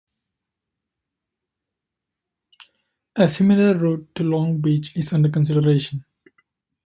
A similar route to Long Beach is under consideration.